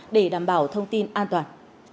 để đảm bảo thông tin an toàn